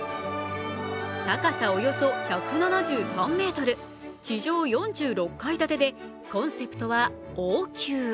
高さおよそ１７３ｍ、地上４６階建てでコンセプトは王宮。